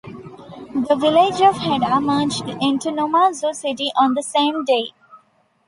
The village of Heda merged into Numazu City on the same day.